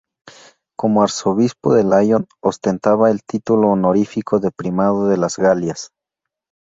Como arzobispo de Lyon, ostentaba el título honorífico de primado de las Galias.